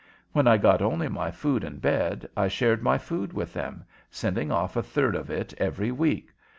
When I got only my food and bed, I shared my food with them, sending off a third of it every week.